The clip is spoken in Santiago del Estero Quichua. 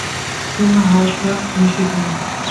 sumaq allpa mishki kan